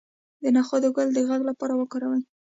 د نخود ګل د غږ لپاره وکاروئ